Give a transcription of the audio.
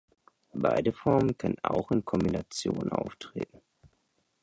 Beide Formen können auch in Kombination auftreten.